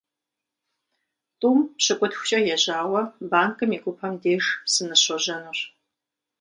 ТIум пщыкIутхукIэ ежьауэ банкым и гупэм деж сыныщожьэнущ.